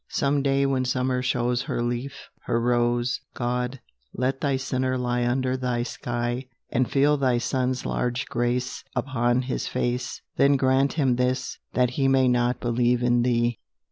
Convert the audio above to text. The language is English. Some day when summer shows Her leaf, her rose, God, let Thy sinner lie Under Thy sky, And feel Thy sun's large grace Upon his face; Then grant him this, that he May not believe in Thee!